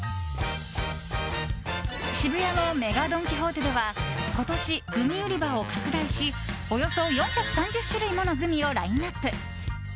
渋谷のＭＥＧＡドン・キホーテでは今年、グミ売り場を拡大しおよそ４３０種類ものグミをラインアップ。